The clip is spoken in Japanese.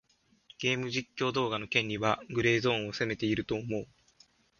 ゲーム実況動画の権利はグレーゾーンを攻めていると思う。